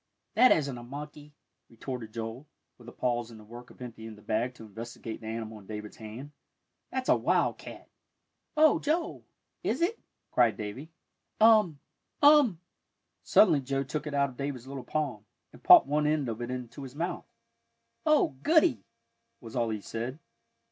"That isn't a monkey!" retorted Joel, with a pause in the work of emptying the bag to investigate the animal in David's hand, "that's a wild cat." "Oh, Joel, is it?" cried Davie. "Um!" Suddenly Joel took it out of David's little palm, and popped one end of it into his mouth. "Oh, goody!" was all he said.